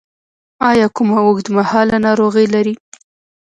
ایا کومه اوږدمهاله ناروغي لرئ؟